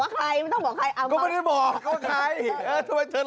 ไม่ต้องบอกว่าใครไม่ต้องบอกใคร